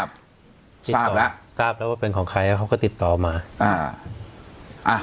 ทราบแล้วว่าเป็นของใครแล้วเขาก็ติดต่อมา